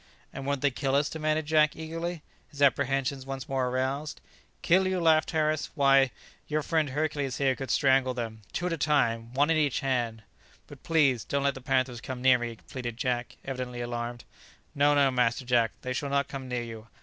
"And won't they kill us?" demanded Jack eagerly, his apprehensions once more aroused. "Kill you?" laughed Harris; "why, your friend Hercules here could strangle them, two at a time, one in each hand!" "But, please, don't let the panthers come near me!" pleaded Jack, evidently alarmed. "No, no, Master Jack, they shall not come near you.